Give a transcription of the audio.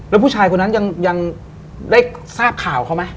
แล้วผู้ชายคนนั้นยังได้ทราบข่าวเขาไหม